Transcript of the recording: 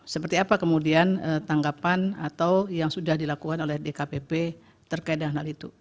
seperti apa kemudian tanggapan atau yang sudah dilakukan oleh dkpp terkait dengan hal itu